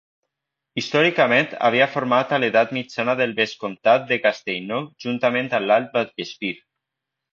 Històricament havia format a l'edat mitjana del vescomtat de Castellnou juntament amb l'alt Vallespir.